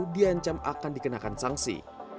diancam akan dikenakan sanksi